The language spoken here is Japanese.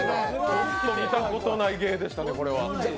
ちょっと見たことない芸でしたね、これは。